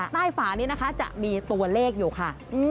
ฝานี้นะคะจะมีตัวเลขอยู่ค่ะ